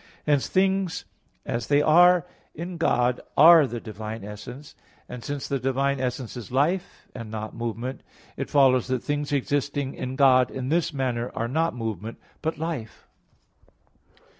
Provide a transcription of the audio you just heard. Hence things as they are in God are the divine essence. And since the divine essence is life and not movement, it follows that things existing in God in this manner are not movement, but life.